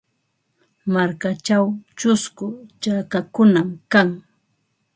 Markachaw chusku chakakunam kan.